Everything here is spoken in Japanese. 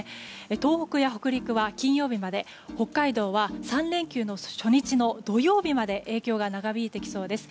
東北や北陸は金曜日まで北海道は３連休の初日の土曜日まで影響が長引いてきそうです。